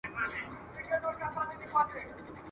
پرېږده جهاني د ځوانیمرګو د محفل کیسه ..